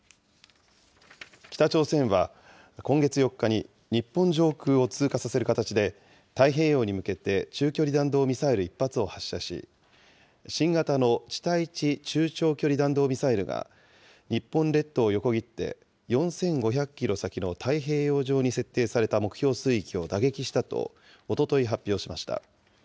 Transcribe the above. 北朝鮮は今月４日に、日本上空を通過させる形で、太平洋に向けて中距離弾道ミサイル１発を発射し、新型の地対地中長距離弾道ミサイルが日本列島を横切って、４５００キロ先の太平洋上に設定された目標水域を打撃したと、おととい発表しました。